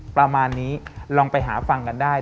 ประมาณนี้ลองไปหาฟังกันได้